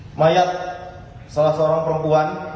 telah ditemukan mayat seorang perempuan